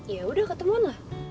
yaudah ketemuan lah